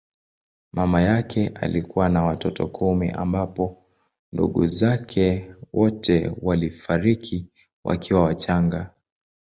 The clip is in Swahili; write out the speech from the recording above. Mama yake alikuwa na watoto kumi ambapo ndugu zake wote walifariki wakiwa wachanga.